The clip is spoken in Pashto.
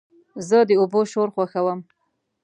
زه د اوبو شور خوښوم.